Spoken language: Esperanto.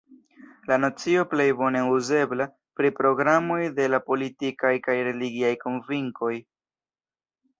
La nocio plej bone uzebla pri programoj de la politikaj kaj religiaj konvinkoj.